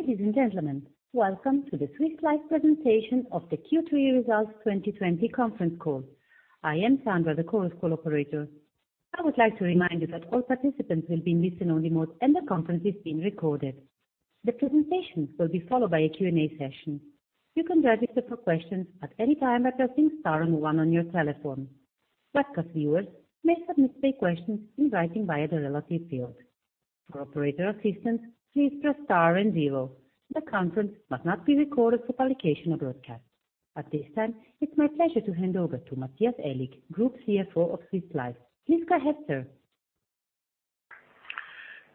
Ladies and gentlemen, welcome to the Swiss Life presentation of the Q3 Results 2020 conference call. I am Sandra, the Chorus Call operator. I would like to remind you that all participants will be in listen-only mode, and the conference is being recorded. The presentations will be followed by a Q&A session. You can register for questions at any time by pressing star and one on your telephone. Webcast viewers may submit their questions in writing via the related field. For operator assistance, please press star and zero. The conference must not be recorded for publication or broadcast. At this time, it's my pleasure to hand over to Matthias Aellig, Group CFO of Swiss Life. Please go ahead sir.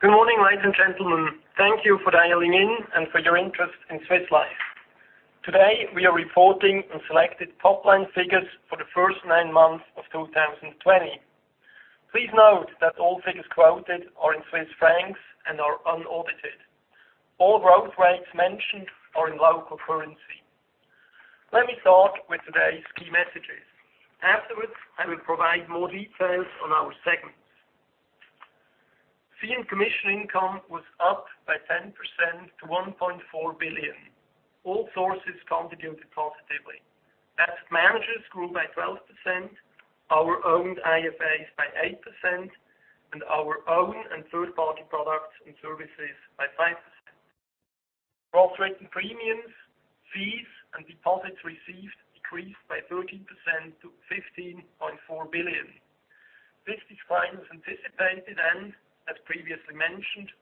Good morning, ladies and gentlemen. Thank you for dialing in and for your interest in Swiss Life. Today, we are reporting on selected top-line figures for the first nine months of 2020. Please note that all figures quoted are in CHF and are unaudited. All growth rates mentioned are in local currency. Let me start with today's key messages. Afterwards, I will provide more details on our segments. Fee and commission income was up by 10% to 1.4 billion. All sources contributed positively. Asset managers grew by 12%, our owned IFAs by 8%, and our own and third-party products and services by 5%. Gross written premiums, fees, and deposits received decreased by 13% to 15.4 billion. This decline was anticipated and, as previously mentioned,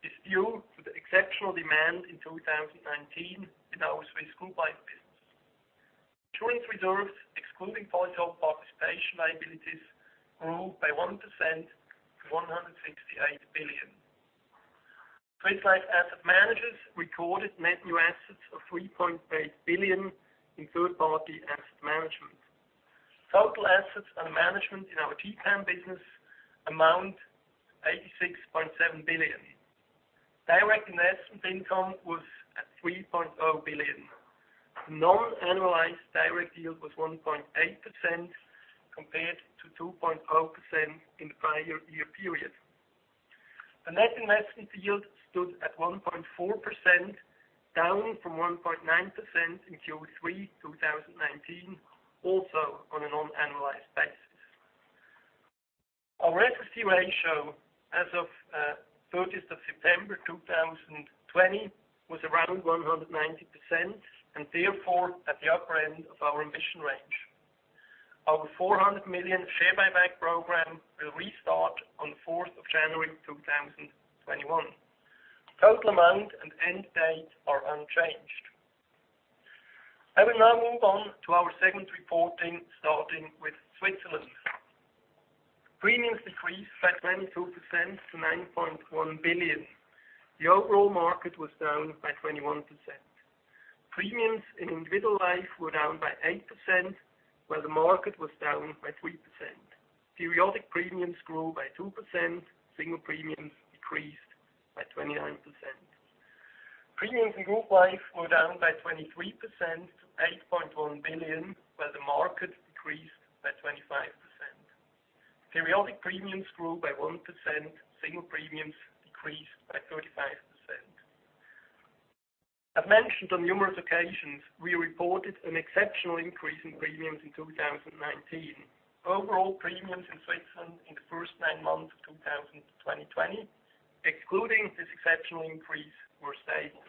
is due to the exceptional demand in 2019 in our Swiss group life business. Insurance reserves, excluding policyholder participation liabilities, grew by 1% to 168 billion. Swiss Life Asset Managers recorded net new assets of 3.8 billion in Third-Party Asset Management. Total assets under management in our TPAM business amount to 86.7 billion. Direct investment income was at 3.0 billion. Non-annualized direct yield was 1.8% compared to 2.0% in the prior year period. The net investment yield stood at 1.4%, down from 1.9% in Q3 2019, also on a non-annualized basis. Our SST ratio as of 30th of September 2020 was around 190% and therefore at the upper end of our ambition range. Our 400 million share buyback program will restart on the 4th of January 2021. Total amount and end date are unchanged. I will now move on to our segment reporting, starting with Switzerland. Premiums decreased by 22% to 9.1 billion. The overall market was down by 21%. Premiums in individual life were down by 8%, while the market was down by 3%. Periodic premiums grew by 2%, single premiums decreased by 29%. Premiums in group life were down by 23% to 8.1 billion, while the market decreased by 25%. Periodic premiums grew by 1%, single premiums decreased by 35%. I've mentioned on numerous occasions, we reported an exceptional increase in premiums in 2019. Overall premiums in Switzerland in the first nine months of 2020, excluding this exceptional increase, were stable.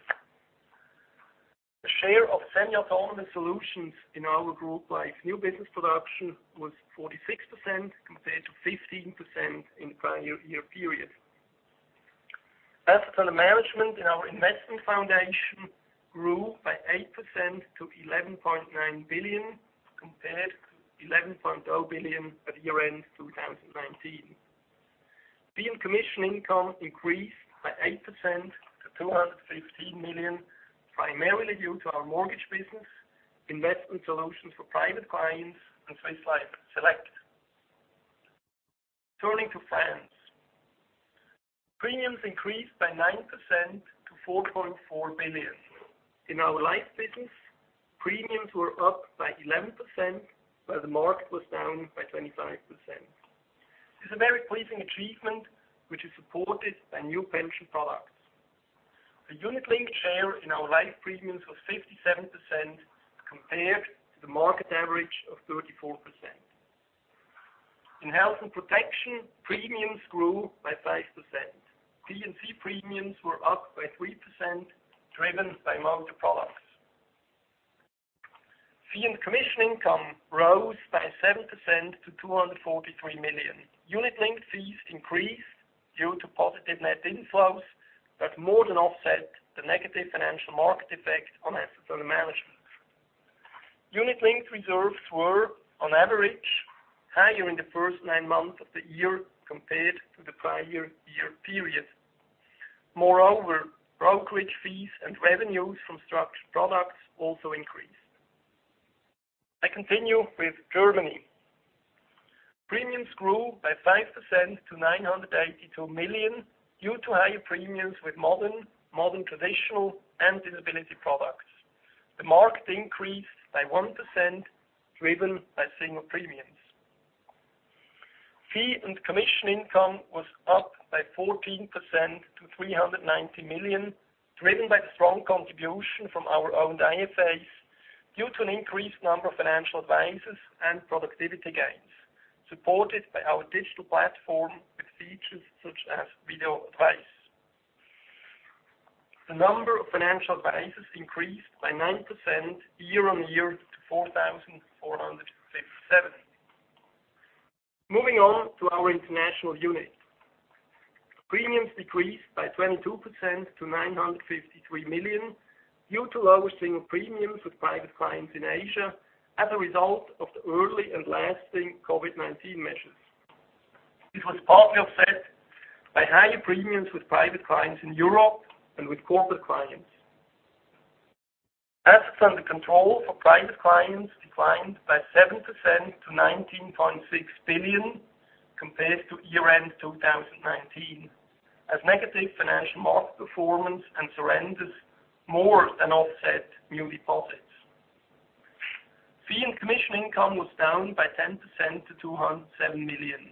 The share of semi-autonomous solutions in our group life new business production was 46% compared to 15% in the prior year period. Assets under management in our investment foundation grew by 8% to 11.9 billion compared to 11.0 billion at year-end 2019. Fee and commission income increased by 8% to 215 million, primarily due to our mortgage business, investment solutions for private clients, and Swiss Life Select. Turning to France. Premiums increased by 9% to 4.4 billion. In our life business, premiums were up by 11%, while the market was down by 25%. This is a very pleasing achievement, which is supported by new pension products. The unit-linked share in our life premiums was 57% compared to the market average of 34%. In health and protection, premiums grew by 5%. P&C premiums were up by 3%, driven by mortgage products. Fee and commission income rose by 7% to 243 million. Unit-linked fees increased due to positive net inflows that more than offset the negative financial market effect on assets under management. Unit-linked reserves were, on average, higher in the first nine months of the year compared to the prior year period. Moreover, brokerage fees and revenues from structured products also increased. I continue with Germany. Premiums grew by 5% to 982 million due to higher premiums with modern traditional and disability products. The market increased by 1%, driven by single premiums. Fee and commission income was up by 14% to 390 million, driven by the strong contribution from our owned IFAs, due to an increased number of financial advisors and productivity gains, supported by our digital platform with features such as video advice. The number of financial advisors increased by 9% year-on-year to 4,467. Moving on to our international unit. Premiums decreased by 22% to 953 million, due to lower single premiums with private clients in Asia as a result of the early and lasting COVID-19 measures. This was partly offset by higher premiums with private clients in Europe and with corporate clients. Assets under control for private clients declined by 7% to 19.6 billion compared to year-end 2019, as negative financial market performance and surrenders more than offset new deposits. Fee and commission income was down by 10% to 207 million.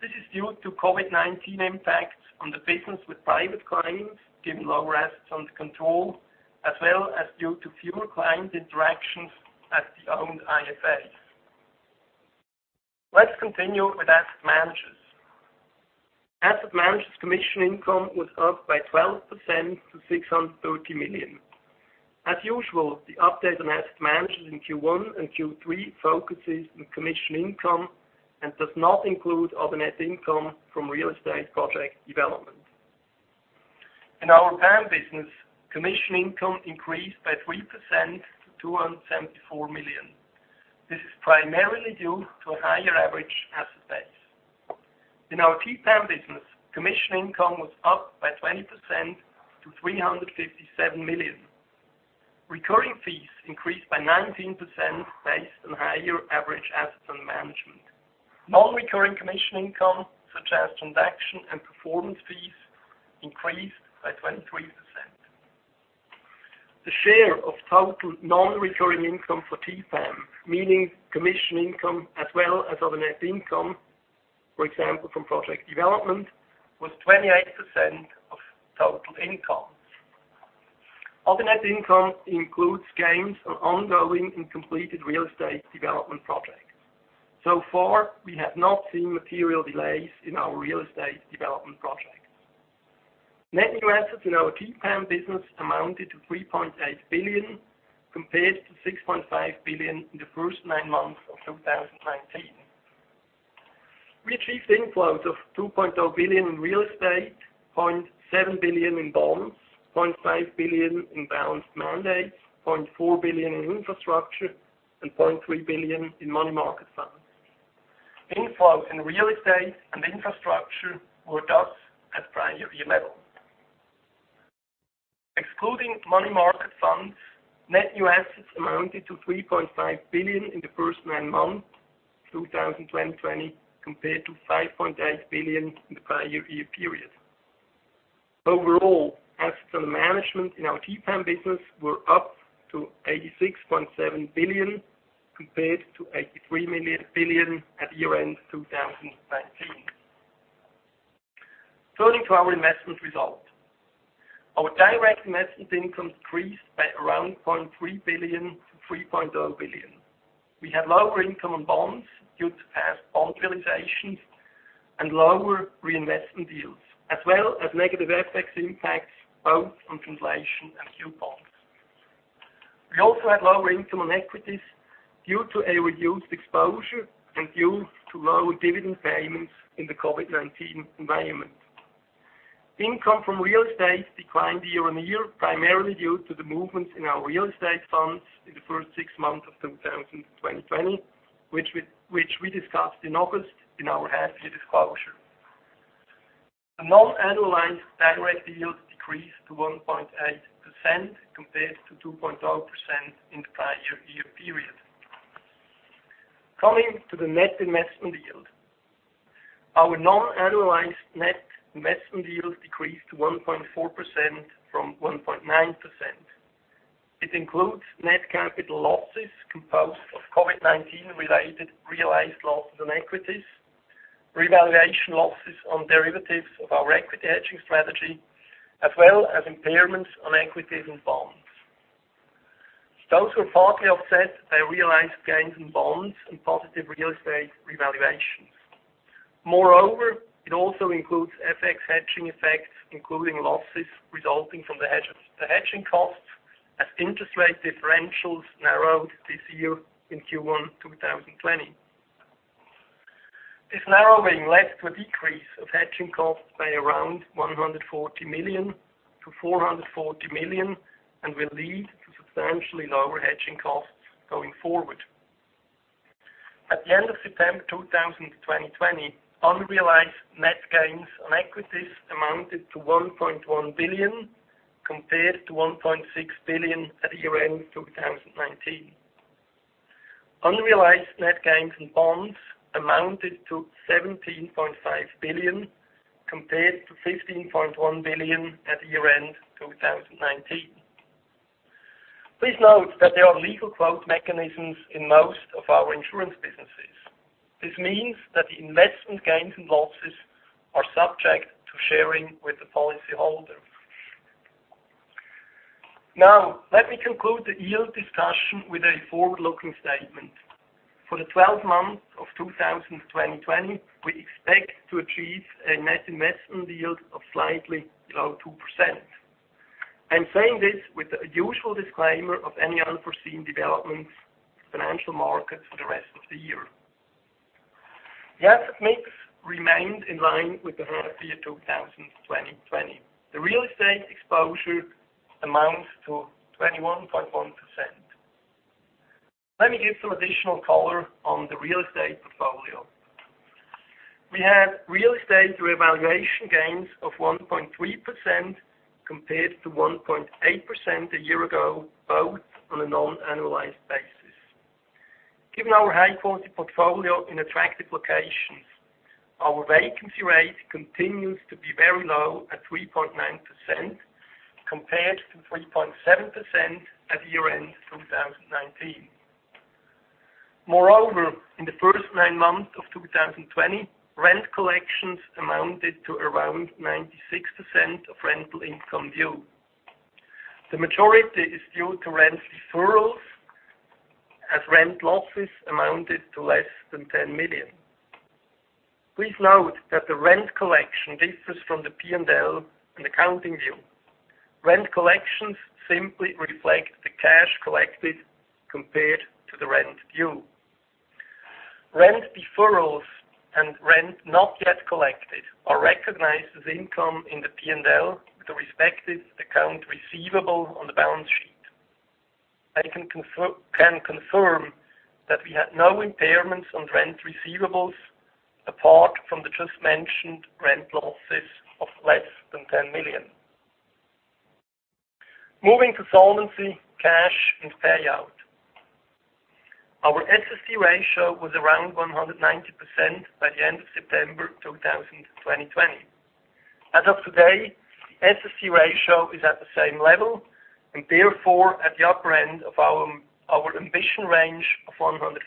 This is due to COVID-19 impacts on the business with private clients, given lower assets under control, as well as due to fewer client interactions at the owned IFAs. Let's continue with asset managers. Asset managers' commission income was up by 12% to 630 million. As usual, the update on asset managers in Q1 and Q3 focuses on commission income and does not include other net income from real estate project development. In our PAM business, commission income increased by 3% to 274 million. This is primarily due to a higher average asset base. In our TPAM business, commission income was up by 20% to 357 million. Recurring fees increased by 19% based on higher average assets under management. Non-recurring commission income, such as transaction and performance fees, increased by 23%. The share of total non-recurring income for TPAM, meaning commission income as well as other net income, for example, from project development, was 28% of total income. Other net income includes gains on ongoing and completed real estate development projects. So far, we have not seen material delays in our real estate development projects. Net new assets in our TPAM business amounted to 3.8 billion, compared to 6.5 billion in the first nine months of 2019. We achieved inflows of 2.0 billion in real estate, 0.7 billion in bonds, 0.5 billion in balanced mandates, 0.4 billion in infrastructure, and 0.3 billion in money market funds. Inflows in real estate and infrastructure were thus at prior year level. Excluding money market funds, net new assets amounted to 3.5 billion in the first nine months 2020, compared to 5.8 billion in the prior year period. Overall, assets under management in our TPAM business were up to 86.7 billion, compared to 83 billion at year-end 2019. Turning to our investment result. Our direct investment income decreased by around 0.3 billion to 3.0 billion. We had lower income on bonds due to past bond realizations and lower reinvestment yields, as well as negative FX impacts both on translation and coupons. We also had lower income on equities due to a reduced exposure and due to lower dividend payments in the COVID-19 environment. Income from real estate declined year-on-year, primarily due to the movements in our real estate funds in the first six months of 2020, which we discussed in August in our half year disclosure. The non-annualized direct yield decreased to 1.8% compared to 2.0% in the prior year period. Coming to the net investment yield. Our non-annualized net investment yield decreased to 1.4% from 1.9%. It includes net capital losses composed of COVID-19-related realized losses on equities, revaluation losses on derivatives of our equity hedging strategy, as well as impairments on equities and bonds. Those were partly offset by realized gains in bonds and positive real estate revaluations. Moreover, It also includes FX hedging effects, including losses resulting from the hedging costs as interest rate differentials narrowed this year in Q1 2020. This narrowing led to a decrease of hedging costs by around 140 million-440 million and will lead to substantially lower hedging costs going forward. At the end of September 2020, unrealized net gains on equities amounted to 1.1 billion, compared to 1.6 billion at year-end 2019. Unrealized net gains on bonds amounted to 17.5 billion, compared to 15.1 billion at year-end 2019. Please note that there are legal quote mechanisms in most of our insurance businesses. This means that the investment gains and losses are subject to sharing with the policyholder. Let me conclude the yield discussion with a forward-looking statement. For the 12 months of 2020, we expect to achieve a net investment yield of slightly below 2%. I'm saying this with the usual disclaimer of any unforeseen developments in financial markets for the rest of the year. The asset mix remained in line with the full year 2020. The real estate exposure amounts to 21.1%. Let me give some additional color on the real estate portfolio. We had real estate revaluation gains of 1.3% compared to 1.8% a year ago, both on a non-annualized basis. Given our high-quality portfolio in attractive locations, our vacancy rate continues to be very low at 3.9%, compared to 3.7% at year-end 2019. Moreover, in the first nine months of 2020, rent collections amounted to around 96% of rental income due. The majority is due to rent deferrals, as rent losses amounted to less than 10 million. Please note that the rent collection differs from the P&L and accounting view. Rent collections simply reflect the cash collected compared to the rent due. Rent deferrals and rent not yet collected are recognized as income in the P&L with the respective account receivable on the balance sheet. I can confirm that we had no impairments on rent receivables apart from the just-mentioned rent losses of less than 10 million. Moving to solvency, cash, and payout. Our SST ratio was around 190% by the end of September 2020. As of today, the SST ratio is at the same level and therefore at the upper end of our ambition range of 140%-190%.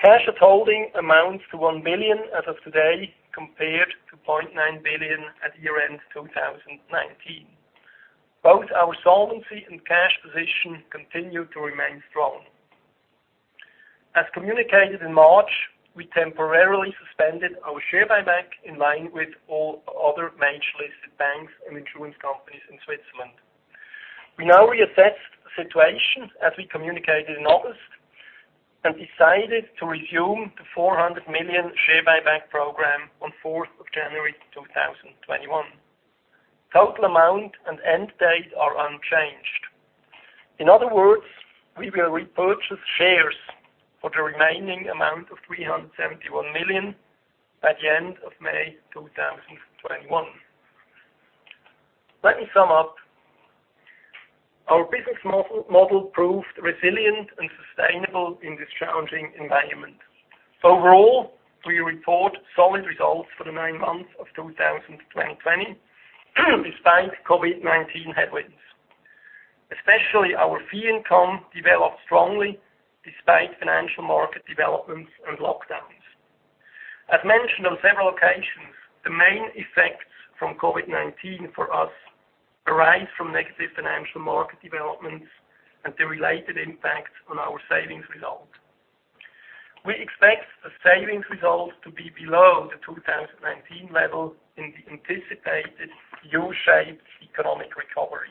Cash at holding amounts to 1 billion as of today, compared to 0.9 billion at year-end 2019. Both our solvency and cash position continue to remain strong. As communicated in March, we temporarily suspended our share buyback in line with all other major listed banks and insurance companies in Switzerland. We now reassessed the situation as we communicated in August and decided to resume the 400 million share buyback program on 4th of January 2021. Total amount and end date are unchanged. In other words, we will repurchase shares for the remaining amount of 371 million by the end of May 2021. Let me sum up. Our business model proved resilient and sustainable in this challenging environment. Overall, we report solid results for the nine months of 2020 despite COVID-19 headwinds. Especially our fee income developed strongly despite financial market developments and lockdowns. As mentioned on several occasions, the main effects from COVID-19 for us arise from negative financial market developments and the related impact on our savings result. We expect the savings result to be below the 2019 level in the anticipated U-shaped economic recovery.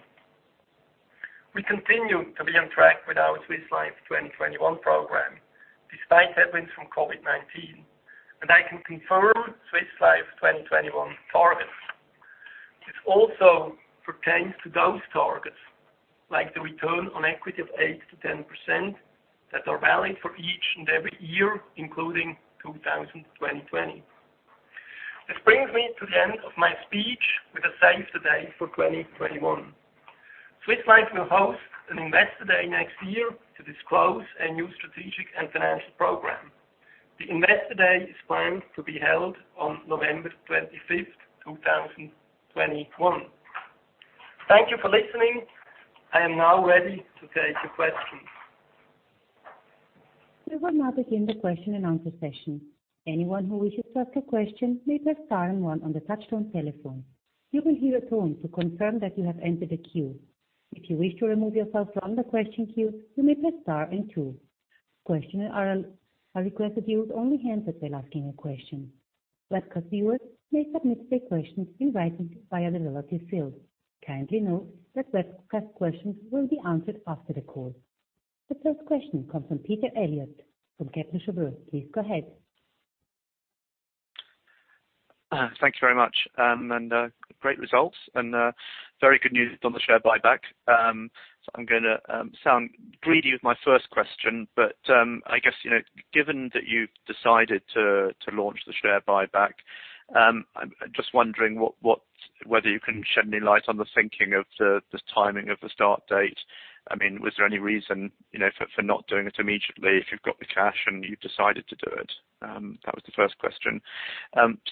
We continue to be on track with our Swiss Life 2021 program, despite headwinds from COVID-19, and I can confirm Swiss Life 2021 targets. This also pertains to those targets, like the return on equity of 8%-10%, that are valid for each and every year, including 2020. This brings me to the end of my speech with a save the day for 2021. Swiss Life will host an Investor Day next year to disclose a new strategic and financial program. The Investor Day is planned to be held on November 25th, 2021. Thank you for listening. I am now ready to take your questions. We will now begin the question and answer session. Anyone who wishes to ask a question may press star one on the touch-tone telephone. You will hear a tone to confirm that you have entered a queue. If you wish to remove yourself from the question queue, you may press star two. Questioners are requested to mute only hands that they're asking a question. Webcast viewers may submit their questions in writing via the relative field. Kindly note that webcast questions will be answered after the call. The first question comes from Peter Eliot from Kepler Cheuvreux. Please go ahead. Thanks very much. Great results and very good news on the share buyback. I'm going to sound greedy with my first question, but I guess, given that you've decided to launch the share buyback, I'm just wondering whether you can shed any light on the thinking of the timing of the start date? Was there any reason for not doing it immediately if you've got the cash and you've decided to do it? That was the first question.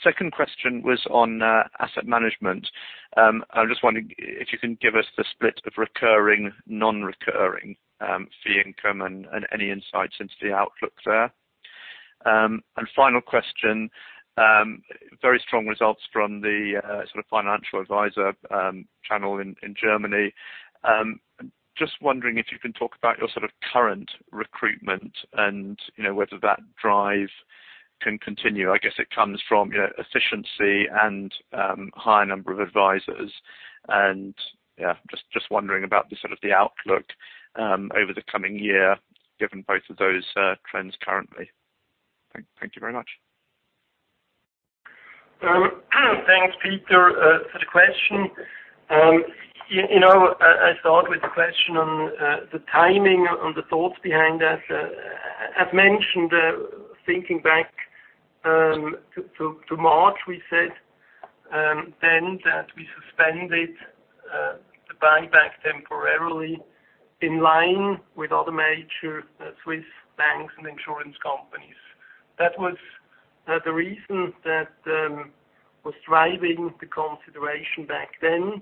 Second question was on asset management. I'm just wondering if you can give us the split of recurring, non-recurring fee income and any insights into the outlook there. Final question, very strong results from the financial advisor channel in Germany. Just wondering if you can talk about your current recruitment and whether that drive can continue. I guess it comes from efficiency and higher number of advisors. Yeah, just wondering about the outlook over the coming year, given both of those trends currently. Thank you very much. Thanks, Peter, for the question. I start with the question on the timing, on the thoughts behind that. As mentioned, thinking back to March, we said then that we suspended the buyback temporarily in line with other major Swiss banks and insurance companies. That was the reason that was driving the consideration back then.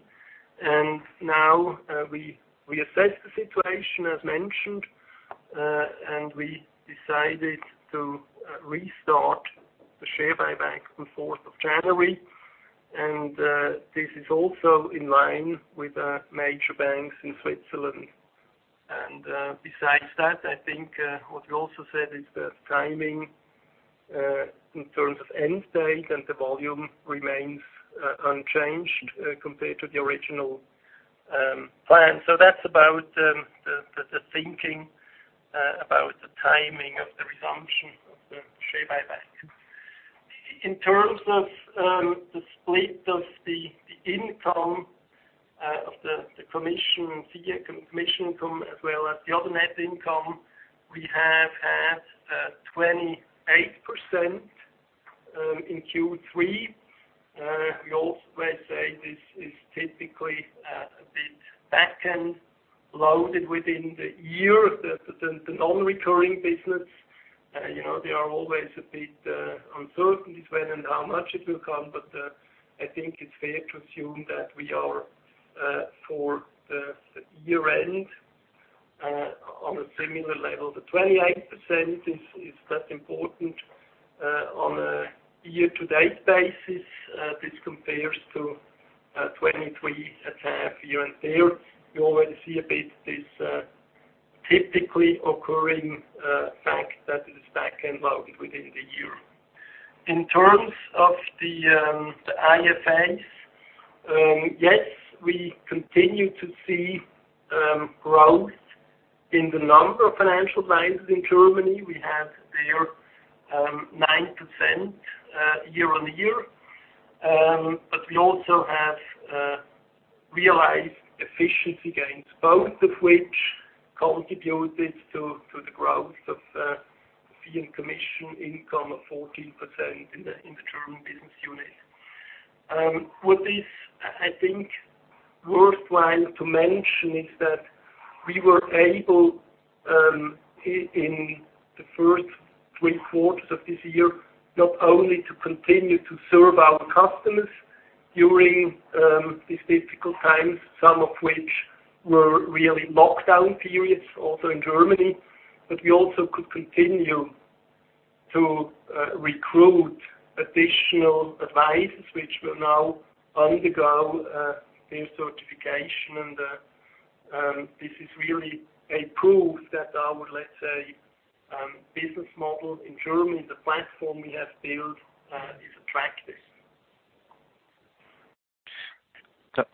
Now, we assessed the situation, as mentioned, and we decided to restart the share buyback on the 4th of January. This is also in line with major banks in Switzerland. Besides that, I think what you also said is the timing in terms of end date and the volume remains unchanged compared to the original plan. That's about the thinking about the timing of the resumption of the share buyback. In terms of the split of the income of the commission and fee commission income, as well as the other net income, we have had 28% in Q3. We always say this is typically a bit backend-loaded within the year. The non-recurring business, there are always a bit uncertainties when and how much it will come, but I think it's fair to assume that we are, for the year-end, on a similar level. The 28% is that important on a year-to-date basis. This compares to 23% at half year. You already see a bit this typically occurring fact that it is backend-loaded within the year. In terms of the IFAs, yes, we continue to see growth in the number of financial advisors in Germany. We have there 9% year-on-year. We also have realized efficiency gains, both of which contributed to the growth of fee and commission income of 14% in the German business unit. What is, I think, worthwhile to mention is that we were able, in the first three quarters of this year, not only to continue to serve our customers during these difficult times, some of which were really lockdown periods, also in Germany, but we also could continue to recruit additional advisors, which will now undergo their certification. This is really a proof that our, let's say, business model in Germany, the platform we have built is attractive.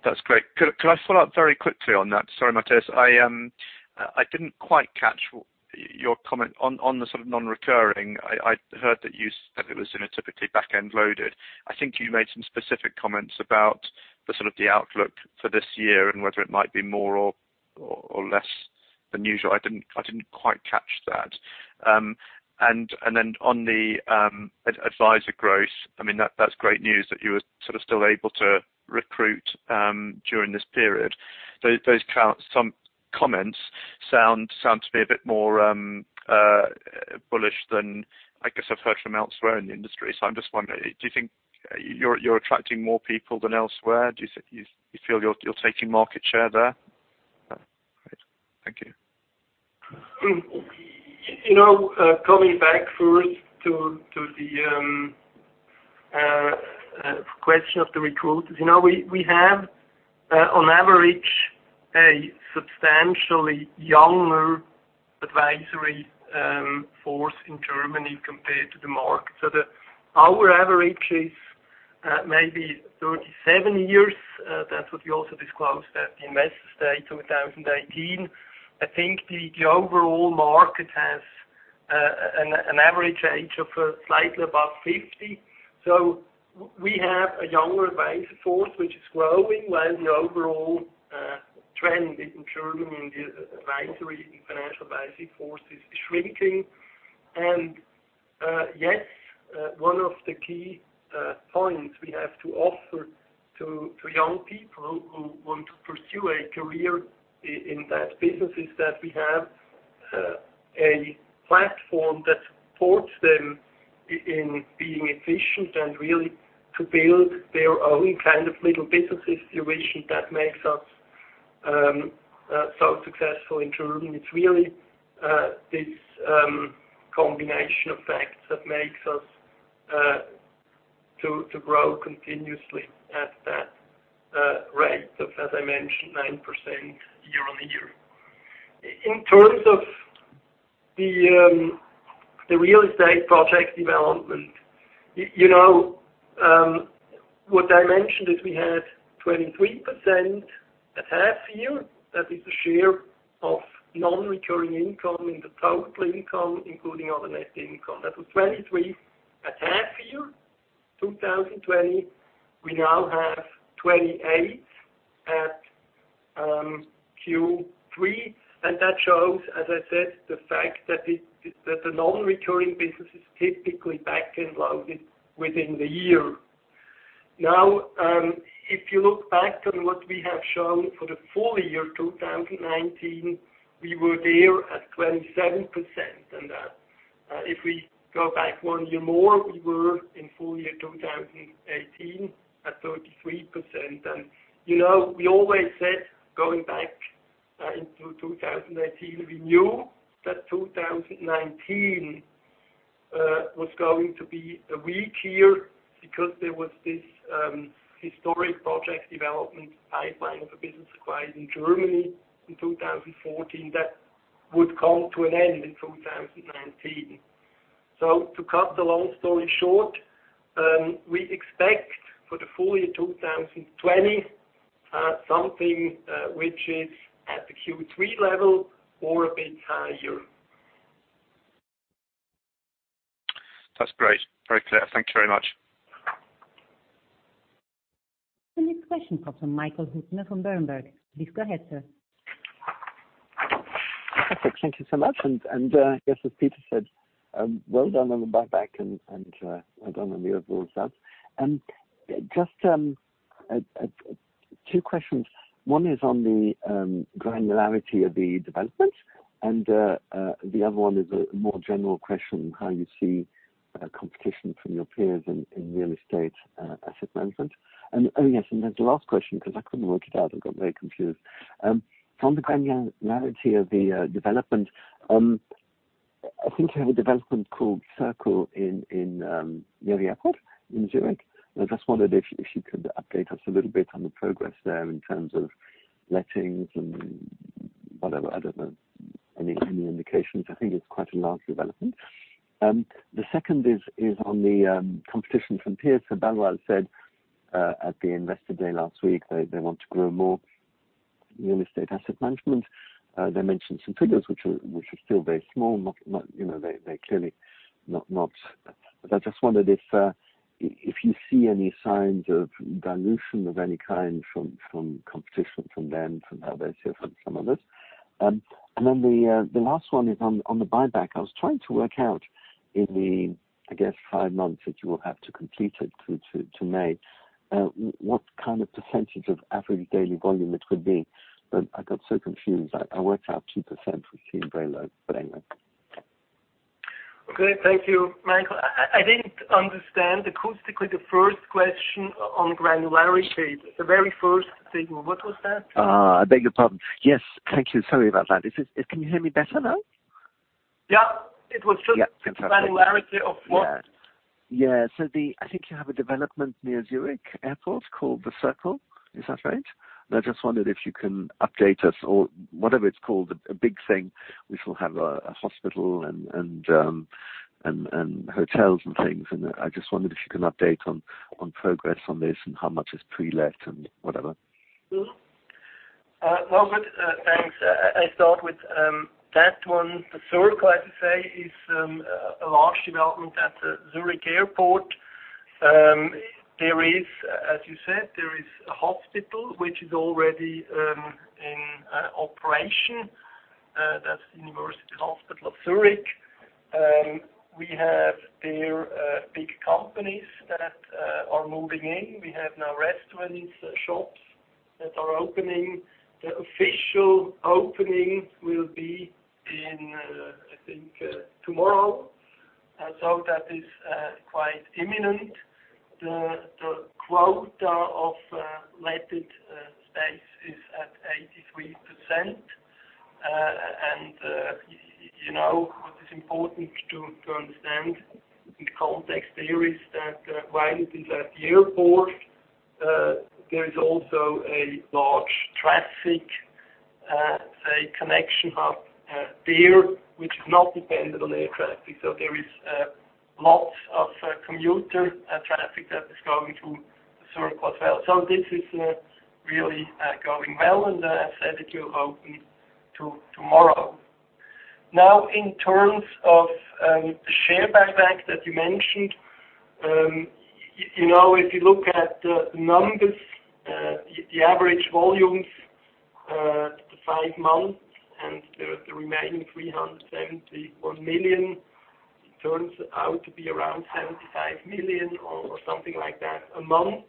That's great. Could I follow up very quickly on that? Sorry, Matthias. I didn't quite catch your comment on the non-recurring. I heard that you said it was typically backend loaded. I think you made some specific comments about the outlook for this year and whether it might be more or less than usual. I didn't quite catch that. On the advisor growth, that's great news that you were still able to recruit during this period. Those comments sound to me a bit more bullish than I guess I've heard from elsewhere in the industry. I'm just wondering, do you think you're attracting more people than elsewhere? Do you feel you're taking market share there? Great. Thank you. Coming back first to the question of the recruiters. We have, on average, a substantially younger advisory force in Germany compared to the market. Our average is maybe 37 years. That's what we also disclosed at the Investor Day 2019. I think the overall market has an average age of slightly above 50. We have a younger advisor force, which is growing, while the overall trend in Germany in the advisory, in financial advisory force is shrinking. Yes. One of the key points we have to offer to young people who want to pursue a career in that business is that we have a platform that supports them in being efficient and really to build their own kind of little business situation that makes us so successful in Germany. It's really this combination of facts that makes us to grow continuously at that rate of, as I mentioned, 9% year-on-year. In terms of the real estate project development, what I mentioned is we had 23% at half year. That is the share of non-recurring income in the total income, including other net income. That was 23% at half year 2020. We now have 28% at Q3. That shows, as I said, the fact that the non-recurring business is typically back-end loaded within the year. Now, if you look back to what we have shown for the full year 2019, we were there at 27% than that. If we go back one year more, we were in full year 2018 at 33%. We always said going back into 2018, we knew that 2019 was going to be a weak year because there was this historic project development pipeline of a business acquired in Germany in 2014 that would come to an end in 2019. To cut the long story short, we expect for the full year 2020, something which is at the Q3 level or a bit higher. That's great. Very clear. Thank you very much. The next question comes from Michael Huttner from Berenberg. Please go ahead, sir. Perfect. Thank you so much. I guess as Peter said, well done on the buyback and well done on the overall results. Just two questions. One is on the granularity of the development, and the other one is a more general question, how you see competition from your peers in real estate asset management. Oh, yes, the last question, because I couldn't work it out and got very confused. From the granularity of the development, I think you have a development called Circle near the airport in Zurich. I just wondered if you could update us a little bit on the progress there in terms of lettings and whatever. I don't know any indications. I think it's quite a large development. The second is on the competition from peers. Baloise said at the Investor Day last week, they want to grow more real estate asset management. They mentioned some figures which are still very small, they are clearly not. I just wondered if you see any signs of dilution of any kind from competition from them, from Baloise, from some others. The last one is on the buyback. I was trying to work out in the, I guess, five months that you will have to complete it through to May, what kind of percentage of average daily volume it could be, but I got so confused. I worked out 2%, which seemed very low, but anyway. Okay. Thank you, Michael. I didn't understand acoustically the first question on granularity. The very first thing, what was that? I beg your pardon. Yes. Thank you. Sorry about that. Can you hear me better now? Yeah. It was just the granularity of what? Yeah. I think you have a development near Zurich Airport called The Circle. Is that right? I just wondered if you can update us or whatever it's called, a big thing, which will have a hospital and hotels and things. I just wondered if you can update on progress on this and how much is pre-let and whatever. Well, good. Thanks. I start with that one. The Circle, I have to say, is a large development at Zurich Airport. As you said, there is a hospital which is already in operation. That's the University Hospital of Zurich. We have there big companies that are moving in. We have now restaurants, shops that are opening. The official opening will be in, I think, tomorrow. That is quite imminent. The quota of letted space is at 83%. What is important to understand in context there is that while it is at the airport, there is also a large traffic, say, connection hub there, which is not dependent on air traffic. There is lots of commuter traffic that is going to The Circle as well. This is really going well, and as said, it will open tomorrow. In terms of the share buyback that you mentioned, if you look at the numbers. The average volumes to five months and the remaining 371 million turns out to be around 75 million or something like that a month.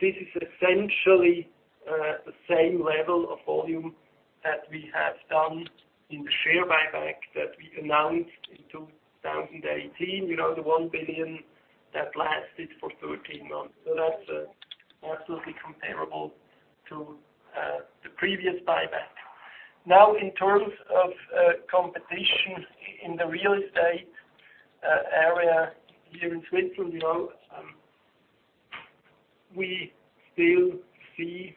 This is essentially the same level of volume that we have done in the share buyback that we announced in 2018, the 1 billion that lasted for 13 months. That's absolutely comparable to the previous buyback. In terms of competition in the real estate area here in Switzerland, we still see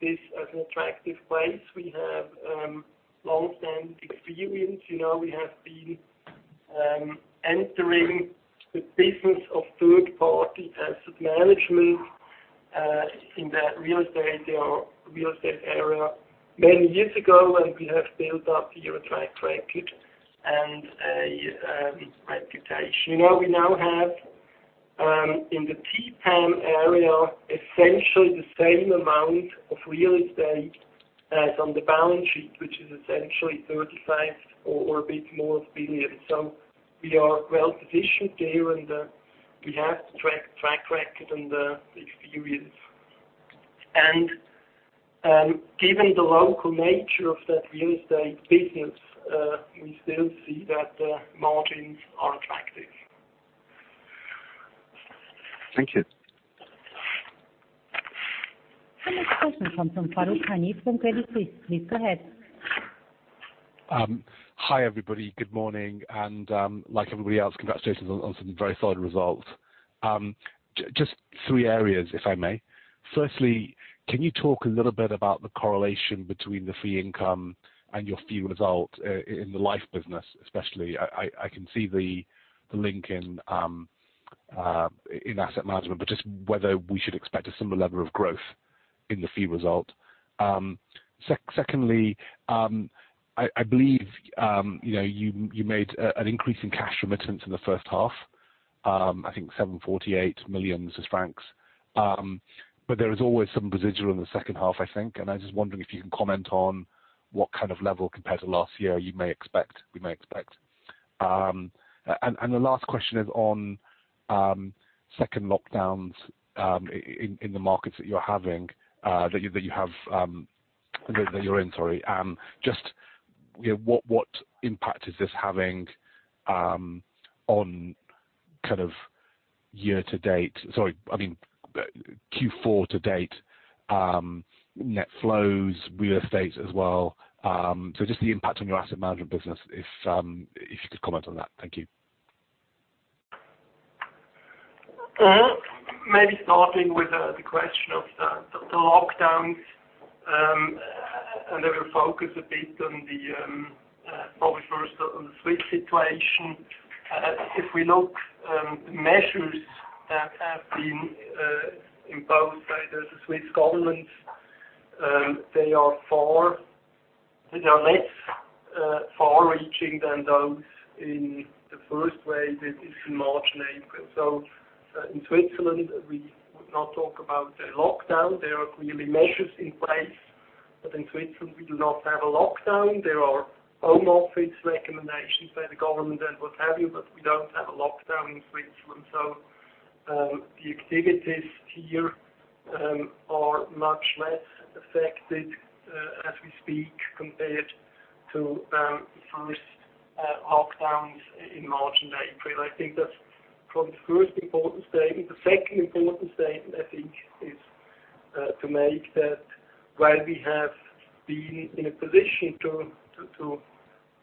this as an attractive place. We have longstanding experience. We have been entering the business of Third-Party Asset Management in the real estate area many years ago, and we have built up a track record and a reputation. We now have, in the TPAM area, essentially the same amount of real estate as on the balance sheet, which is essentially 35 billion or a bit more. We are well-positioned here, and we have the track record and the experience. Given the local nature of that real estate business, we still see that the margins are attractive. Thank you. Our next question comes from Farooq Hanif from Credit Suisse. Please go ahead. Hi, everybody. Good morning. Like everybody else, congratulations on some very solid results. Just three areas, if I may. Firstly, can you talk a little bit about the correlation between the fee income and your fee result in the life business, especially? I can see the link in asset management, but just whether we should expect a similar level of growth in the fee result. Secondly, I believe you made an increase in cash remittance in the first half. I think 748 million francs. There is always some residual in the second half, I think, and I was just wondering if you can comment on what kind of level compared to last year we may expect. The last question is on second lockdowns in the markets that you're in. Just what impact is this having on, year to date, sorry, I mean Q4 to date, net flows, real estate as well? Just the impact on your asset management business, if you could comment on that. Thank you. Maybe starting with the question of the lockdowns. I will focus a bit probably first on the Swiss situation. If we look, measures have been imposed by the Swiss government. They are less far-reaching than those in the first wave in March and April. In Switzerland, we would not talk about a lockdown. There are clearly measures in place. In Switzerland, we do not have a lockdown. There are home office recommendations by the government and what have you, but we don't have a lockdown in Switzerland. The activities here are much less affected as we speak compared to the first lockdowns in March and April. I think that's probably the first important statement. The second important statement I think is to make that while we have been in a position to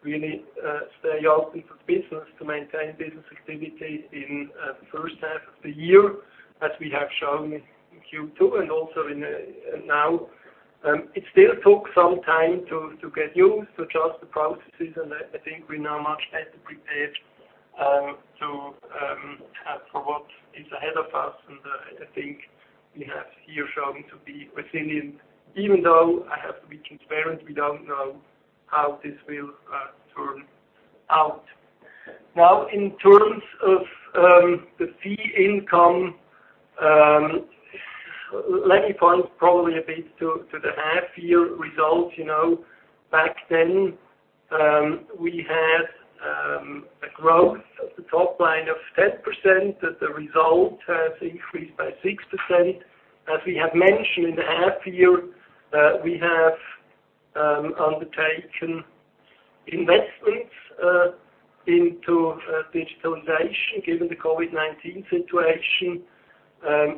really stay open for business, to maintain business activity in the first half of the year, as we have shown in Q2 and also now, it still took some time to get used to adjust the processes, I think we're now much better prepared for what is ahead of us. I think we have here shown to be resilient, even though I have to be transparent, we don't know how this will turn out. In terms of the fee income, let me point probably a bit to the half year results. Back then, we had a growth of the top line of 10%, that the result has increased by 6%. As we have mentioned in the half year, we have undertaken investments into digitalization given the COVID-19 situation,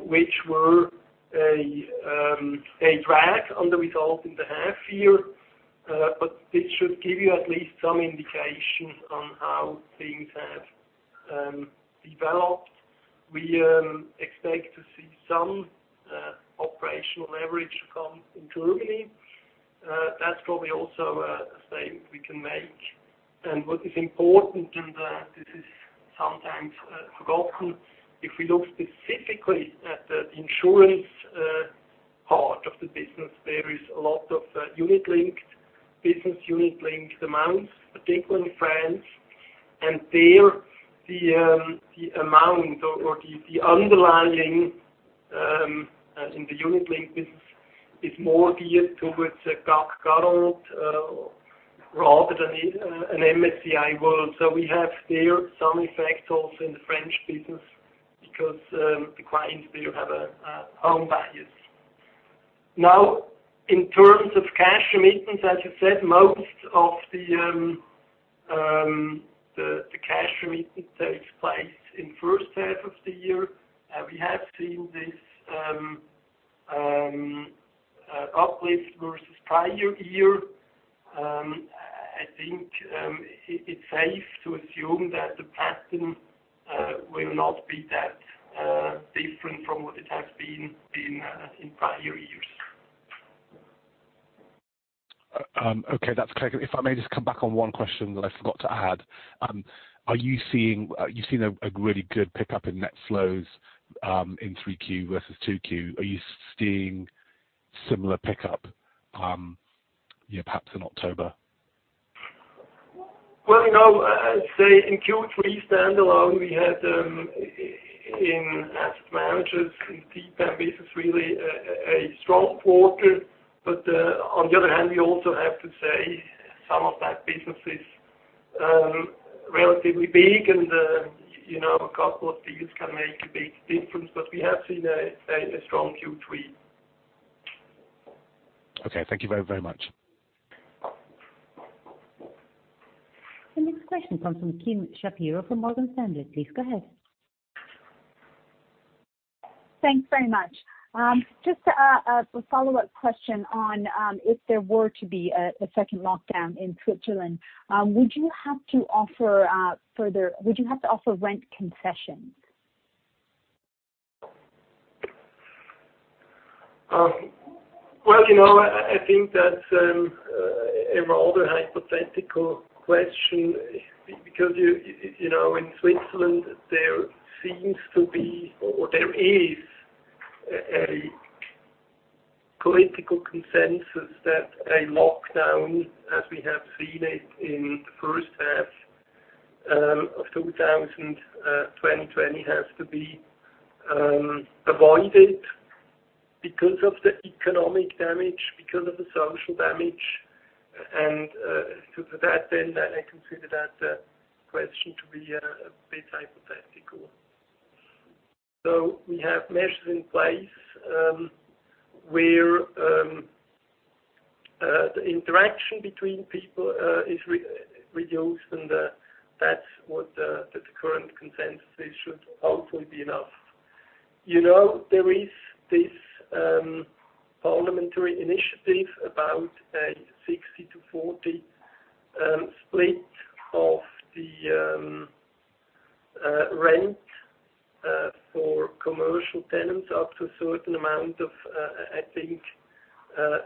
which were a drag on the result in the half year. This should give you at least some indication on how things have developed. We expect to see some operational leverage come in Germany. That's probably also a statement we can make. What is important, and this is sometimes forgotten, if we look specifically at the insurance part of the business, there is a lot of business unit-linked amounts, particularly in France. There, the amount or the underlying in the unit-linked business is more geared towards a CAC 40 rather than an MSCI World. We have there some effect also in the French business because the clients there have a home bias. In terms of cash remittance, as you said, most of the cash remittance takes place in first half of the year. We have seen this uplift versus prior year. I think it's safe to assume that the pattern will not be that different from what it has been in prior years. Okay. That's clear. If I may just come back on one question that I forgot to add. You've seen a really good pickup in net flows in 3Q versus 2Q. Are you seeing similar pickup perhaps in October? Well, I'd say in Q3 standalone, we had in asset managers, in TPAM business, really a strong quarter. On the other hand, we also have to say some of that business is relatively big and a couple of deals can make a big difference. We have seen a strong Q3. Okay. Thank you very, very much. The next question comes from Kim Shapiro from Morgan Stanley. Please go ahead. Thanks very much. Just a follow-up question on if there were to be a second lockdown in Switzerland, would you have to offer rent concessions? I think that's a rather hypothetical question because in Switzerland there seems to be, or there is a political consensus that a lockdown as we have seen it in the first half of 2020 has to be avoided because of the economic damage, because of the social damage. To that end, I consider that question to be a bit hypothetical. We have measures in place, where the interaction between people is reduced, and that's what the current consensus is, should hopefully be enough. There is this parliamentary initiative about a 60-40 split of the rent for commercial tenants up to a certain amount of, I think,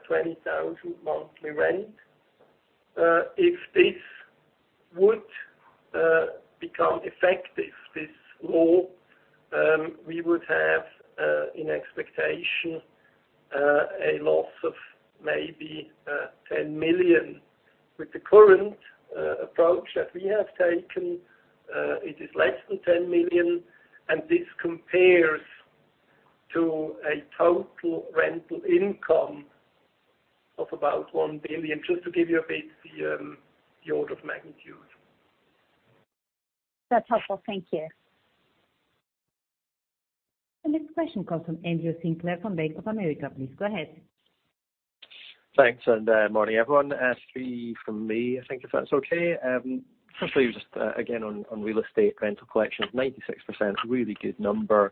20,000 monthly rent. If this would become effective, this law, we would have, in expectation, a loss of maybe 10 million. With the current approach that we have taken, it is less than 10 million. This compares to a total rental income of about 1 billion, just to give you a bit the order of magnitude. That's helpful. Thank you. The next question comes from Andrew Sinclair from Bank of America. Please go ahead. Thanks. Morning, everyone. Three from me, I think if that's okay. Firstly, just again on real estate rental collections, 96%, really good number.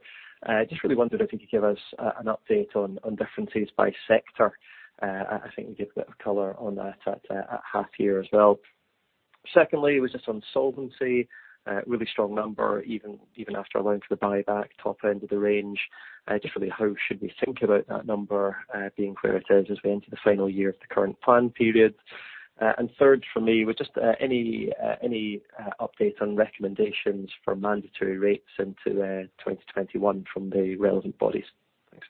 Just really wondered if you could give us an update on differences by sector. I think you gave a bit of color on that at half year as well. Secondly, was just on solvency. Really strong number, even after allowing for the buyback, top end of the range. Just really how should we think about that number being where it is as we enter the final year of the current plan period? Third from me was just any updates on recommendations for mandatory rates into 2021 from the relevant bodies? Thanks.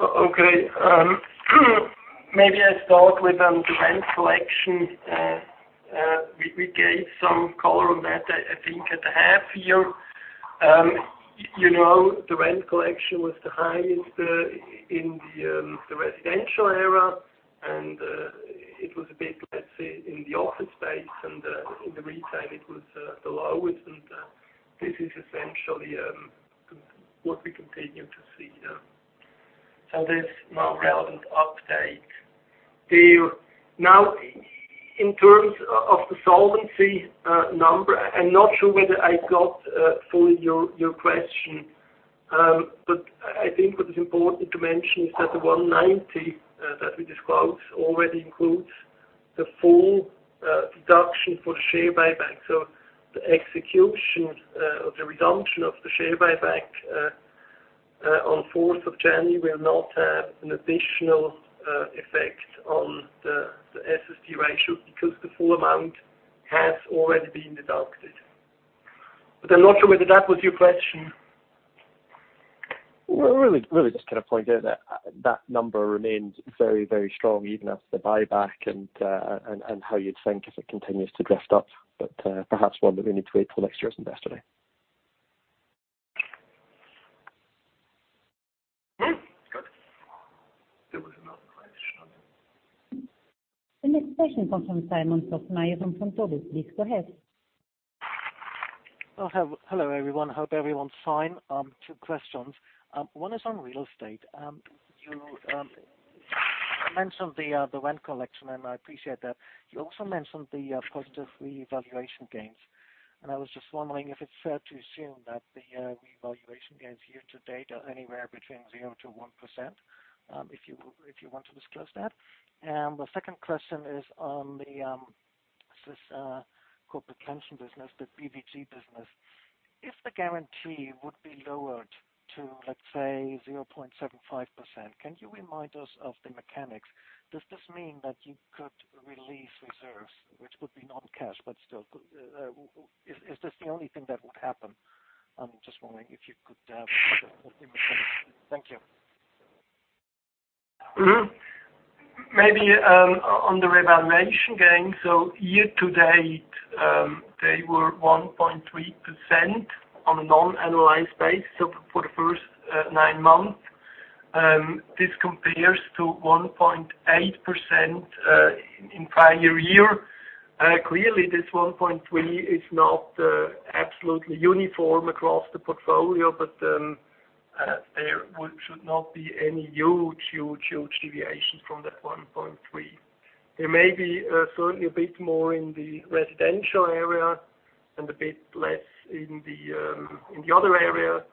Okay. Maybe I start with the rent collection. We gave some color on that, I think at the half year. The rent collection was the highest in the residential area and it was a bit less in the office space, and in the retail it was the lowest. This is essentially what we continue to see there. There's no relevant update there. Now, in terms of the solvency number, I'm not sure whether I got fully your question. I think what is important to mention is that the 190% that we disclosed already includes the full deduction for share buyback. The execution of the redemption of the share buyback on 4th of January will not have an additional effect on the SST ratio because the full amount has already been deducted. I'm not sure whether that was your question. Really just pointing out that number remains very strong even after the buyback and how you'd think if it continues to drift up. Perhaps one that we need to wait till next year's investor day. Good. There was another question on here. The next question comes from Simon Fössmeier from Vontobel. Please go ahead. Hello, everyone. Hope everyone's fine. Two questions. One is on real estate. You mentioned the rent collection, and I appreciate that. You also mentioned the positive revaluation gains, and I was just wondering if it's fair to assume that the revaluation gains year to date are anywhere between 0%-1%, if you want to disclose that. The second question is on the Swiss corporate pension business, the BVG business. If the guarantee would be lowered to, let's say, 0.75%, can you remind us of the mechanics? Does this mean that you could release reserves, which would be non-cash, but still, is this the only thing that would happen? I'm just wondering if you could. Thank you. Maybe on the revaluation gain. Year to date, they were 1.3% on a non-annualized base. For the first nine months, this compares to 1.8% in prior year. Clearly, this 1.3% is not absolutely uniform across the portfolio, but there should not be any huge deviations from that 1.3%. There may be certainly a bit more in the residential area and a bit less in the other area.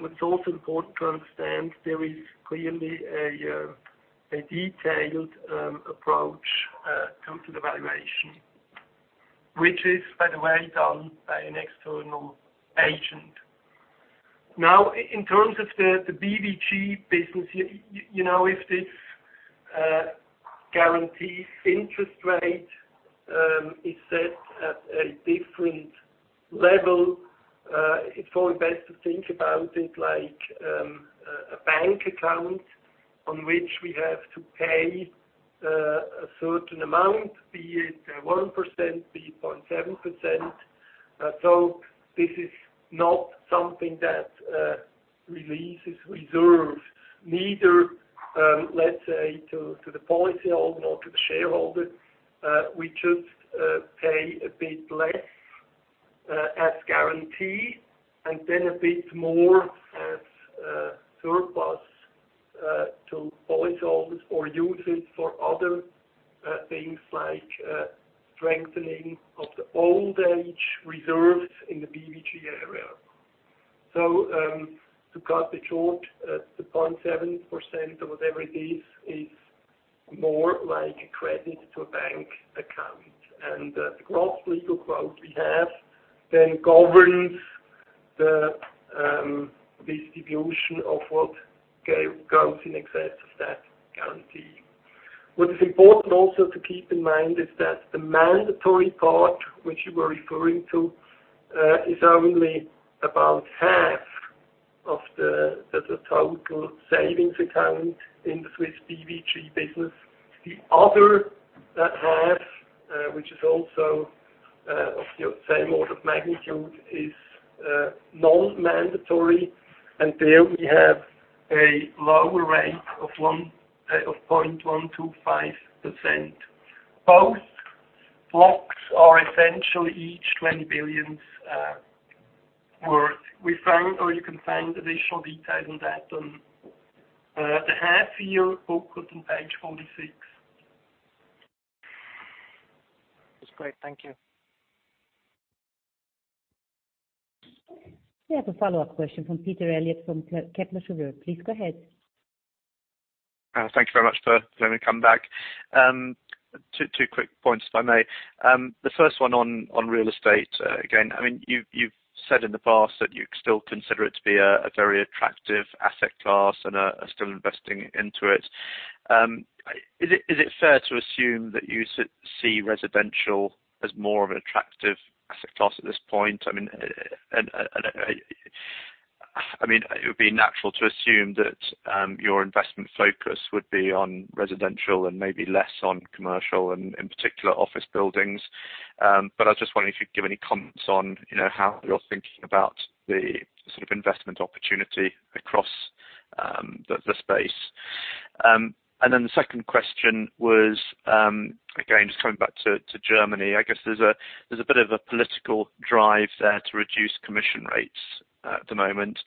What's also important to understand, there is clearly a detailed approach to the valuation. Which is, by the way, done by an external agent. In terms of the BVG business, if this guarantee interest rate is set at a different level, it's always best to think about it like a bank account on which we have to pay a certain amount, be it 1%, be it 0.7%. This is not something that releases reserves, neither, let's say, to the policyholder nor to the shareholder. We just pay a bit less as guarantee and then a bit more as surplus to policyholders or use it for other things like strengthening of the old age reserves in the BVG area. To cut it short, the 0.7% or whatever it is more like a credit to a bank account. The gross legal quote we have then governs the distribution of what goes in excess of that guarantee. What is important also to keep in mind is that the mandatory part which you were referring to is only about half of the total savings account in the Swiss BVG business. The other half, which is also of the same order of magnitude, is non-mandatory, and there we have a lower rate of 0.125%. Both blocks are essentially each 20 billion worth. You can find additional details on that on the half-year booklet on page 46. That's great. Thank you. We have a follow-up question from Peter Eliot from Kepler Cheuvreux. Please go ahead. Thanks very much for letting me come back. Two quick points, if I may. The first one on real estate. Again, you've said in the past that you still consider it to be a very attractive asset class and are still investing into it. Is it fair to assume that you see residential as more of an attractive asset class at this point? It would be natural to assume that your investment focus would be on residential and maybe less on commercial and in particular office buildings. I was just wondering if you'd give any comments on how you're thinking about the sort of investment opportunity across the space. The second question was, again, just coming back to Germany. I guess there's a bit of a political drive there to reduce commission rates at the moment.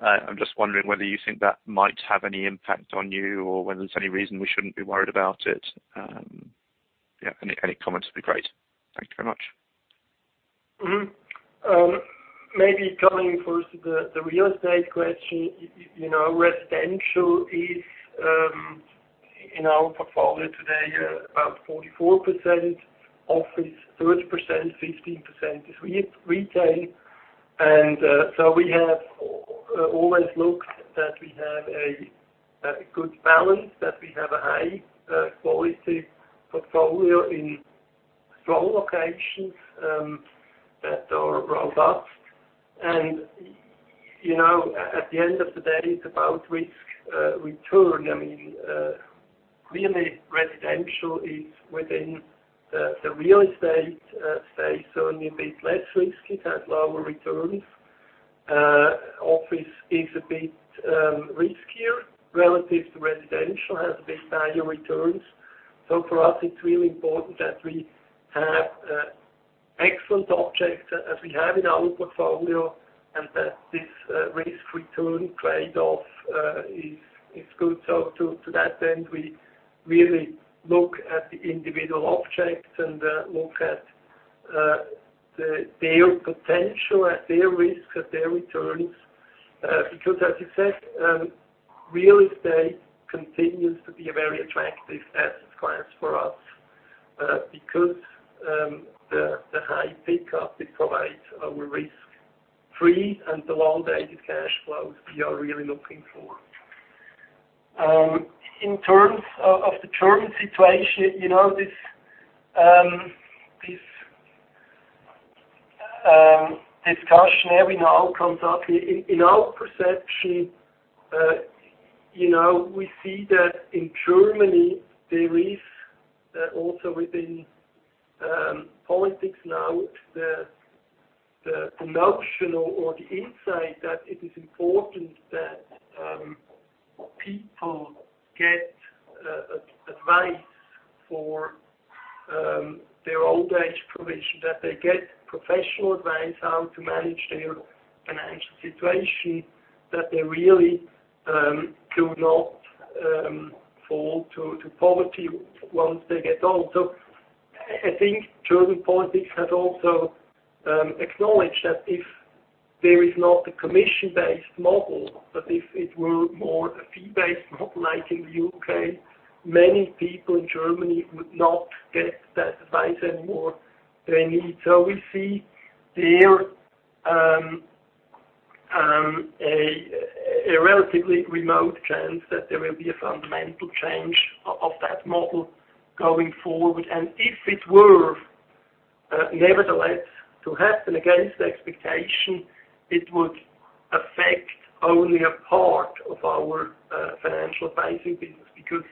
I'm just wondering whether you think that might have any impact on you or whether there's any reason we shouldn't be worried about it? Any comments would be great. Thank you very much. Maybe coming first to the real estate question. Residential is in our portfolio today about 44%, office 30%, 15% is retail. We have always looked that we have a good balance, that we have a high-quality portfolio in strong locations that are robust. At the end of the day, it's about risk return. Really, residential is within the real estate space, only a bit less risky. It has lower returns. Office is a bit riskier relative to residential, has a bit higher returns. For us, it's really important that we have excellent objects, as we have in our portfolio, and that this risk-return trade-off is good. To that end, we really look at the individual objects and look at their potential, at their risk, at their returns. As you said, real estate continues to be a very attractive asset class for us, because the high pickup it provides are risk-free and the long-dated cash flows we are really looking for. In terms of the German situation, this discussion every now comes up. In our perception, we see that in Germany, there is, also within politics now, the notion or the insight that it is important that people get advice for their old age provision. That they get professional advice how to manage their financial situation, that they really do not fall to poverty once they get old. I think German politics has also acknowledged that if there is not a commission-based model, that if it were more a fee-based model like in the U.K., many people in Germany would not get that advice anymore they need. We see there a relatively remote chance that there will be a fundamental change of that model going forward. If it were nevertheless to happen against expectation, it would affect only a part of our financial advising business, because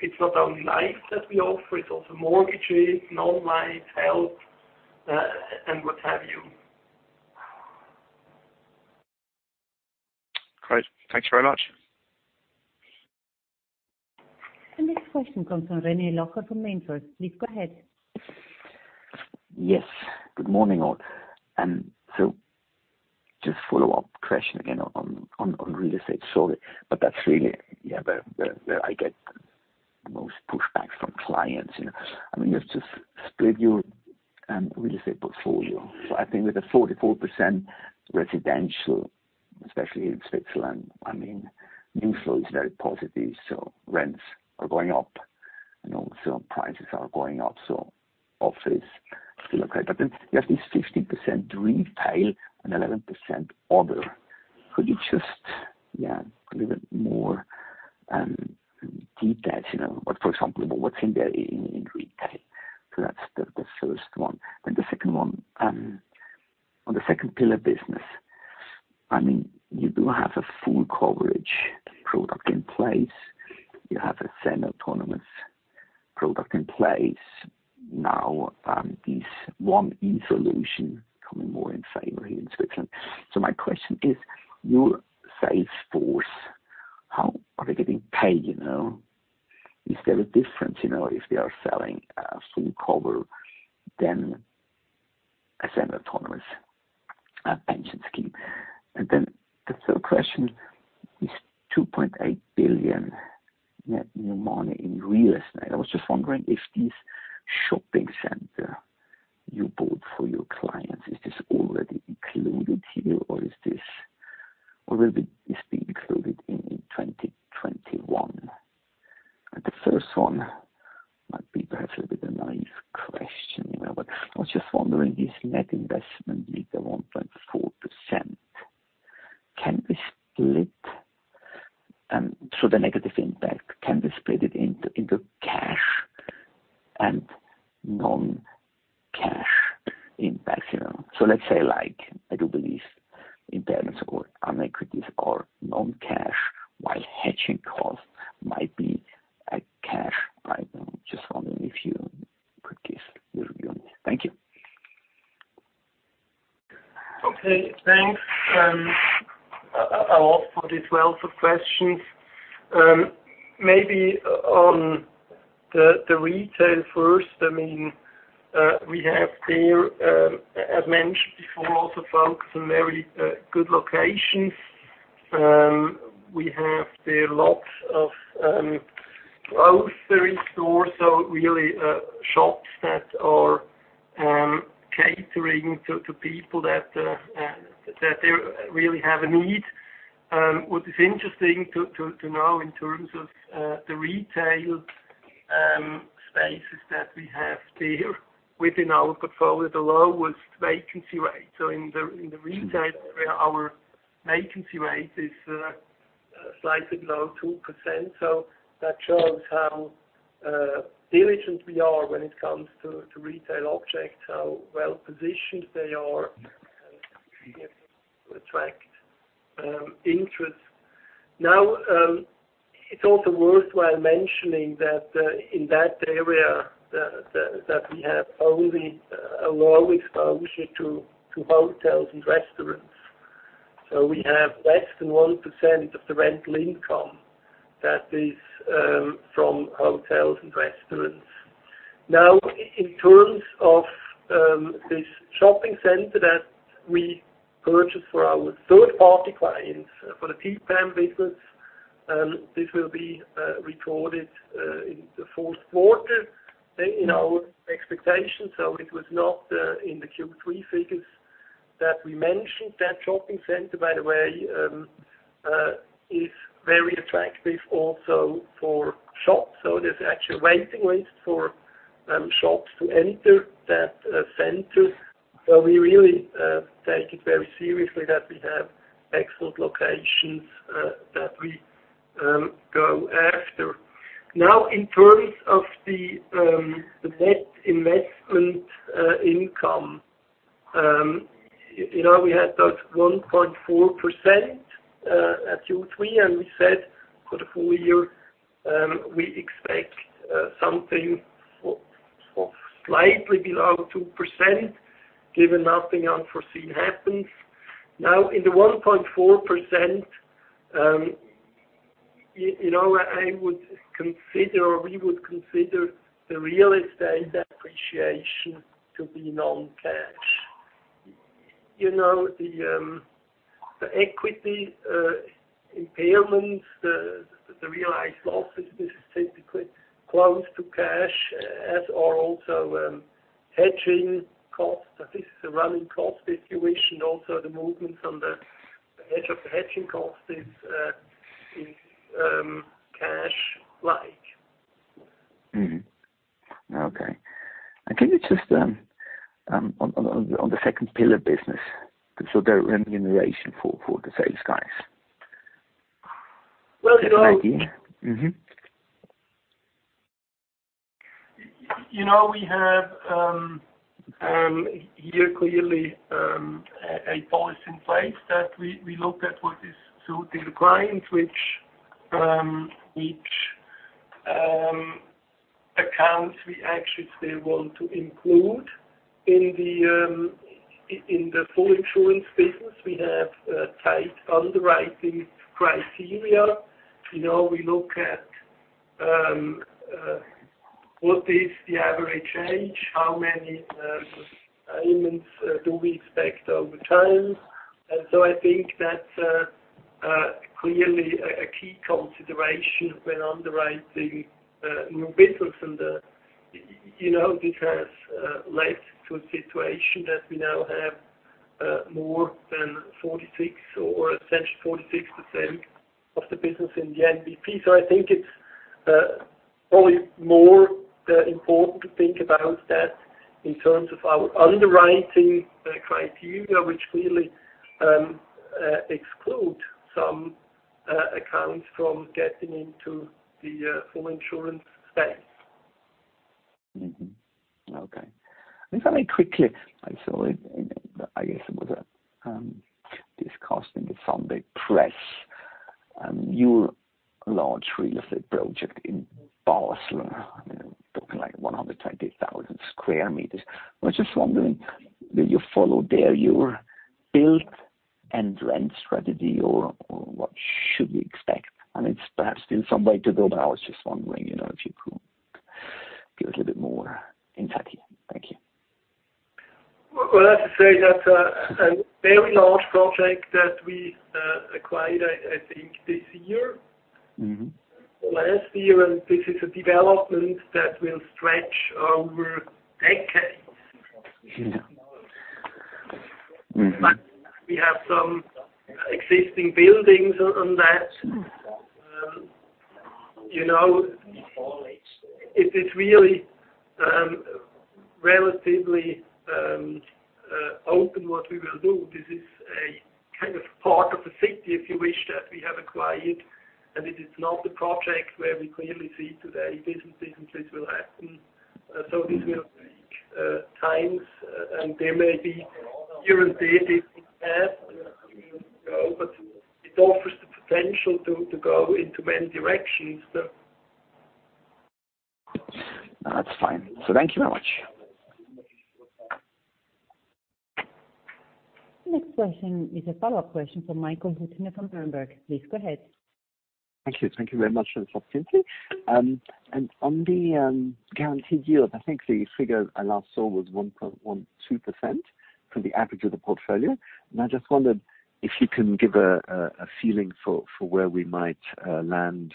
it's not only life that we offer, it's also mortgages, non-life, health, and what have you. Great. Thanks very much. The next question comes from René Locher from MainFirst. Please go ahead. Yes. Good morning all. Just follow-up question again on real estate. Sorry. That's really where I get the most pushback from clients. You have just split your real estate portfolio. I think with the 44% residential, especially in Switzerland, new flow is very positive, so rents are going up, and also prices are going up, so office is still okay. Then you have this 15% retail and 11% other. Could you just give a little bit more details? For example, what's in there in retail? That's the first one. The second one. On the second pillar business, you do have a full coverage product in place. You have a semi-autonomous product in place. This 1e solution becoming more in favor here in Switzerland. My question is, your sales force, how are they getting paid? Is there a difference, if they are selling a full cover than a semi-autonomous pension scheme? The third question, this 2.8 billion net new money in real estate. I was just wondering if this shopping center you bought for your clients, is this already included here, or will be this be included in 2021? The first one might be perhaps a bit of a naive question. I was just wondering, this net investment yield of 1.4%, so the negative impact, can be split into cash and non-cash impact? Let's say like, I do believe impairments or equities are non-cash, while hedging costs might be a cash item. Just wondering if you could give your view on this. Thank you. Thanks a lot for this wealth of questions. On the retail first. We have there, as mentioned before also, folks in very good locations. We have there lots of grocery stores, so really shops that are catering to people that they really have a need. What is interesting to know in terms of the retail spaces that we have there within our portfolio, the lowest vacancy rate. In the retail area, our vacancy rate is slightly below 2%. That shows how diligent we are when it comes to retail objects, how well-positioned they are to attract interest. It's also worthwhile mentioning that in that area, that we have only a low exposure to hotels and restaurants. We have less than 1% of the rental income that is from hotels and restaurants. In terms of this shopping center that we purchased for our third-party clients, for the TPAM business, this will be recorded in the fourth quarter in our expectations. It was not in the Q3 figures that we mentioned. That shopping center, by the way, is very attractive also for shops. There's actually a waiting list for shops to enter that center. We really take it very seriously that we have excellent locations that we go after. In terms of the net investment income. We had that 1.4% at Q3, and we said for the full year, we expect something of slightly below 2%, given nothing unforeseen happens. In the 1.4%, I would consider, or we would consider the real estate depreciation to be non-cash. The equity impairments, the realized losses, this is typically close to cash, as are also hedging costs. This is a running cost situation. Also, the movements on the hedge of the hedging cost is cash-like. Mm-hmm. Okay. Can you just, on the second pillar business, so the remuneration for the sales guys? Well- The 19. Mm-hmm. We have here clearly a policy in place that we look at what is suiting the clients, which accounts we actually still want to include. In the full insurance business, we have tight underwriting criteria. We look at what is the average age, how many claimants do we expect over time. I think that's clearly a key consideration when underwriting new business. This has led to a situation that we now have more than 46% or essentially 46% of the business in the MBP. I think it's probably more important to think about that in terms of our underwriting criteria, which clearly exclude some accounts from getting into the full insurance space. Okay. Very quickly, I saw it, I guess it was discussed in the Sunday press, a new large real estate project in Barcelona, talking like 120,000 sq m. I was just wondering, do you follow there your build and rent strategy, or what should we expect? I mean, it's perhaps still some way to go, but I was just wondering if you could be a little bit more intact here. Thank you. Well, I have to say that's a very large project that we acquired, I think, this year. Last year. This is a development that will stretch over decades. Yeah. Mm-hmm. We have some existing buildings on that. It is really relatively open what we will do. This is a kind of part of the city, if you wish, that we have acquired, and it is not a project where we clearly see today this and this and this will happen. This will take times, and there may be year and date it will have, but it offers the potential to go into many directions. No, that's fine. Thank you very much. Next question is a follow-up question from Michael Huttner from Berenberg. Please go ahead. Thank you. Thank you very much. On the guaranteed yield, I think the figure I last saw was 1.12% for the average of the portfolio. I just wondered if you can give a feeling for where we might land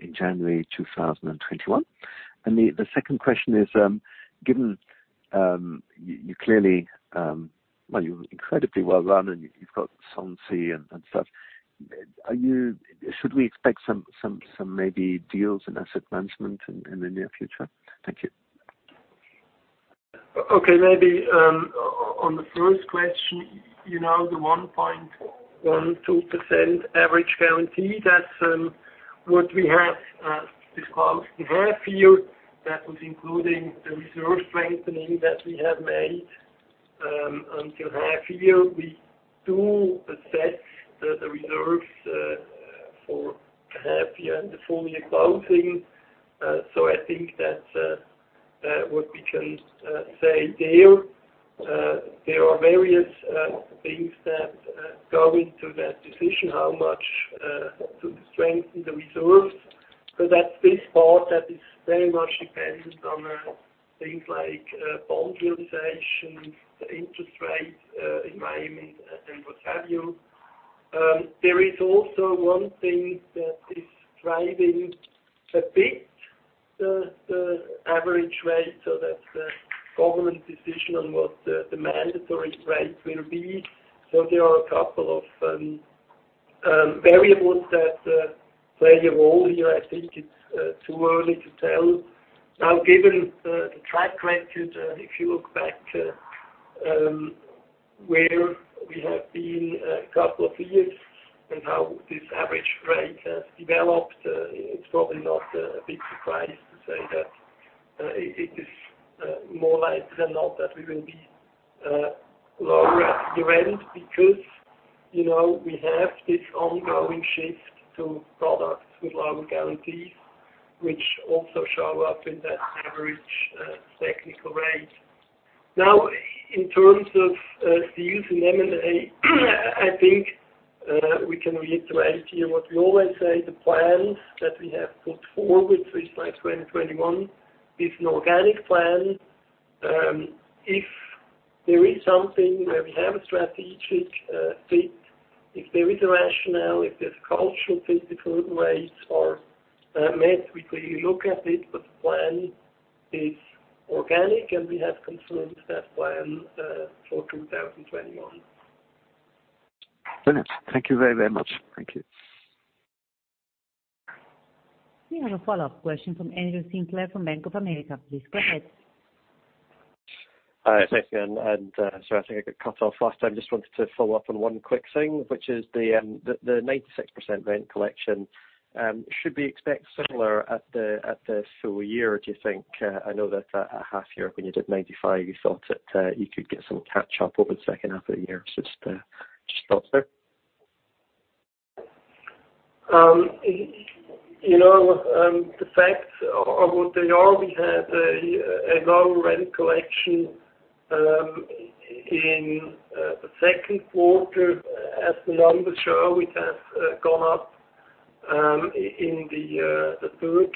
in January 2021. The second question is, given you clearly, well, you're incredibly well-run, and you've got solvency and such. Should we expect some maybe deals in asset management in the near future? Thank you. Okay. Maybe on the first question, the 1.12% average guarantee, that's what we have disclosed in half year. That was including the reserve strengthening that we have made until half year. We do assess the reserves for half year and the full year closing. I think that's what we can say there. There are various things that go into that decision, how much to strengthen the reserves. That's this part that is very much dependent on things like bond realization, the interest rate environment, and what have you. There is also one thing that is driving a bit the average rate, so that's the government decision on what the mandatory rate will be. There are a couple of variables that play a role here. I think it's too early to tell. Given the track record, if you look back where we have been a couple of years and how this average rate has developed, it's probably not a big surprise to say that it is more likely than not that we will be lower at the end because we have this ongoing shift to products with lower guarantees, which also show up in that average technical rate. In terms of deals and M&A, I think we can reiterate here what we always say, the plans that we have put forward, Swiss Life 2021, is an organic plan. If there is something where we have a strategic fit, if there is a rationale, if there's cultural fit, if all the rates are met, we will look at it. The plan is organic, and we have confirmed that plan for 2021. Brilliant. Thank you very, very much. Thank you. We have a follow-up question from Andrew Sinclair from Bank of America. Please go ahead. Hi. Thanks again. Sorry, I think I got cut off last time. Just wanted to follow up on one quick thing, which is the 96% rent collection. Should we expect similar at the full year, do you think? I know that at half year when you did 95, you thought that you could get some catch up over the second half of the year. Just a thought there. The facts are what they are. We had a low rent collection in the second quarter. As the numbers show, it has gone up in the third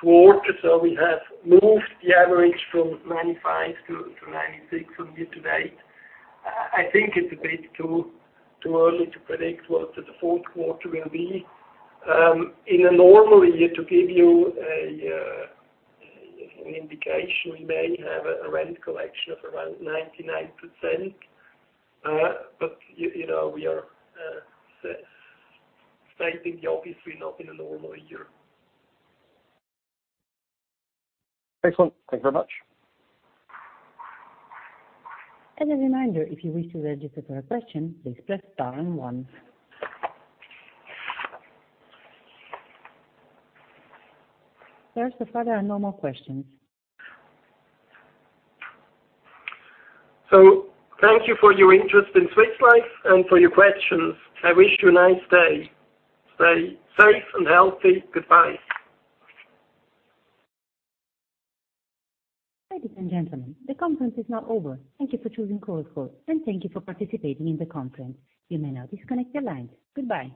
quarter. We have moved the average from 95%-96% from year to date. I think it's a bit too early to predict what the fourth quarter will be. In a normal year, to give you an indication, we may have a rent collection of around 99%, but we are certainly, obviously not in a normal year. Excellent. Thank you very much. As a reminder, if you wish to register for a question, please press star and one. Sir, so far there are no more questions. Thank you for your interest in Swiss Life and for your questions. I wish you a nice day. Stay safe and healthy. Goodbye. Ladies and gentlemen, the conference is now over. Thank you for choosing Chorus Call and thank you for participating in the conference. You may now disconnect your lines. Goodbye.